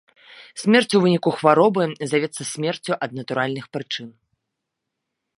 Смерць у выніку хваробы завецца смерцю ад натуральных прычын.